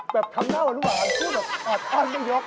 แบบทำด้าวอรุ่นหวานพูดแบบอ่อนไม่ยก